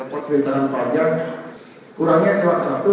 pertama kali putaran panjang kurangnya kelak satu